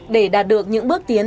để đạt được những bước tiến